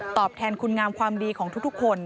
แทนคุณงามความดีของทุกคน